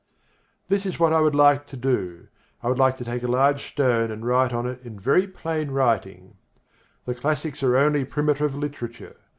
This is what I should like to do. I'd like to take a large stone and write on it in very plain writing, "The classics are only primitive literature.